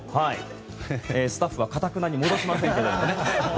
スタッフはかたくなに戻しませんけども。